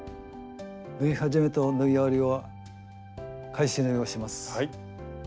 縫い始めと縫い終わりは返し縫いをします。